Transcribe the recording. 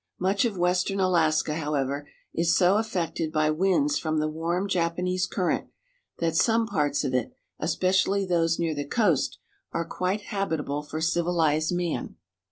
Much of western Alaska, however, is so affected by winds from the warm Japanese Current that some parts of it, especially those near the coast, are quite habitable for civilized man.